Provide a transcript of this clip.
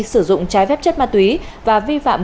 sử dụng trái phép chất ma túy và vi phạm